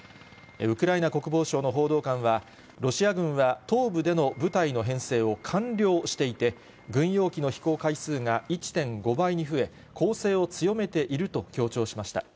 ウクライナ国防省の報道官は、ロシア軍は東部での部隊の編成を完了していて、軍用機の飛行回数が１．５倍に増え、攻勢を強めていると強調しました。